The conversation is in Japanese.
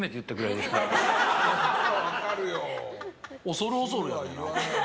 恐る恐るやな。